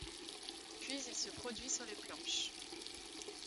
Puis il se produit sur les planches.